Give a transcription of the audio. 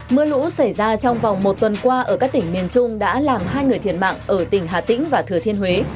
mưa lũ xảy ra trong vòng một tuần qua ở các tỉnh miền trung đã làm hai người thiệt mạng ở tỉnh hà tĩnh và thừa thiên huế